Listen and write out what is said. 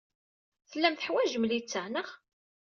Tellam teḥwajem littseɛ, naɣ?